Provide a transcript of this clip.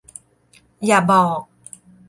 อย่าบอก